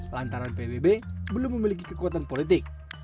lantaran pbb belum memiliki kekuatan politik